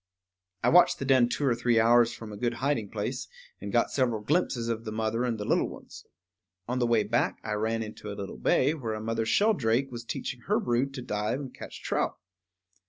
I watched the den two or three hours from a good hiding place, and got several glimpses of the mother and the little ones. On the way back I ran into a little bay where a mother shelldrake was teaching her brood to dive and catch trout.